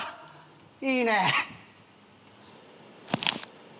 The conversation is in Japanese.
いいね。